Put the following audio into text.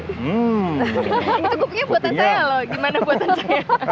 itu bukunya buatan saya loh gimana buatan saya